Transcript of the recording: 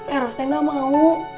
eros teh gak mau